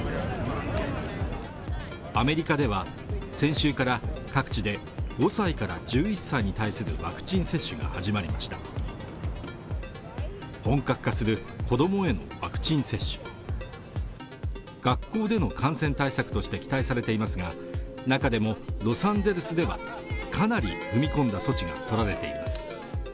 アメリカでは先週から各地で５歳から１１歳に対するワクチン接種が始まりました本格化する子どもへのワクチン接種学校での感染対策として期待されていますが中でもロサンゼルスではかなり踏み込んだ措置が取られています